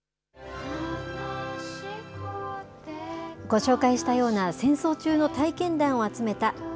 ご紹介したような、戦争中の体験談を集めた＃